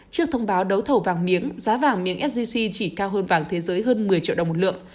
trước thông báo đấu thầu vàng miếng giá vàng miếng sgc chỉ cao hơn vàng thế giới hơn một mươi triệu đồng một lượng